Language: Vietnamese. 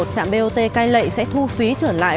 trạm bot cai lệ sẽ thu phí trở lại